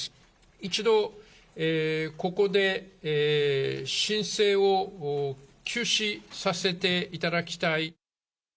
一度ここで申請を休止させていただきたい。